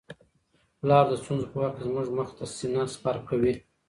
پلار د ستونزو په وخت کي زموږ مخ ته سینه سپر کوي.